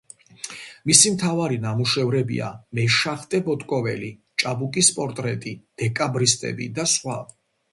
მისი მთავარი ნამუშევრებია „მეშახტე ბოტკოველი“, „ჭაბუკის პორტრეტი“, „დეკაბრისტები“ და სხვა.